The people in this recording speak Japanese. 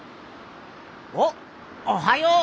おっおはよう！